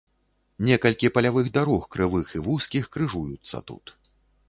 Некалькі палявых дарог, крывых і вузкіх, крыжуюцца тут.